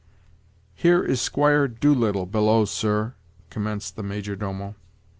"Here is Squire Doolittle below, sir," commenced the major domo.